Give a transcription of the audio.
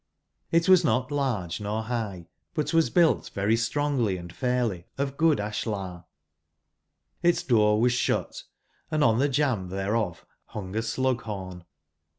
It was not large nor high, but was built very strongly and fairly of good ashlar: its doorwasshut, andon the jamb thereof hung a slug/horn.